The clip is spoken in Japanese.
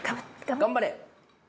頑張れ！